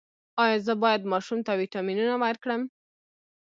ایا زه باید ماشوم ته ویټامینونه ورکړم؟